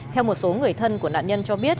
theo một số người thân của nạn nhân cho biết